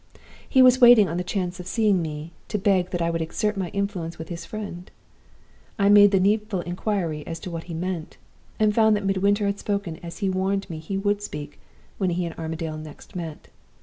"He was waiting on the chance of seeing me, to beg that I would exert my influence with his friend. I made the needful inquiry as to what he meant, and found that Midwinter had spoken as he had warned me he would speak when he and Armadale next met.